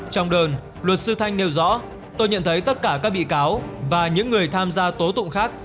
trong đơn luật sư thanh nêu rõ tôi nhận thấy tất cả các bị cáo và những người tham gia tố tụng khác